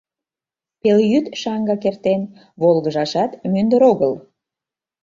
Пелйӱд шаҥгак эртен, волгыжашат мӱндыр огыл.